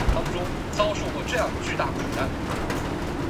胡弓是日本的一种弓弦乐器。